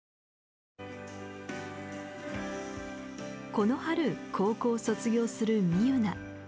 この春高校を卒業するみゆな。